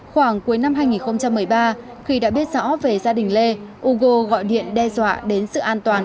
khoảng cuối năm hai nghìn một mươi ba khi đã biết rõ về gia đình lê gogo gọi điện đe dọa đến sự an toàn